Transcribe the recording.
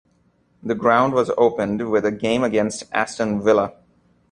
The ground was opened with a game against Aston Villa.